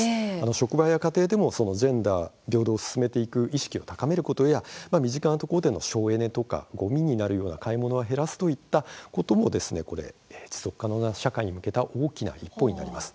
職場や家庭でもジェンダー平等を進めていく意識を高めることや省エネやごみになる買い物は減らすといったことも持続可能な社会に向けた大きな一歩になります。